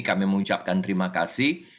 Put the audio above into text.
kami mengucapkan terima kasih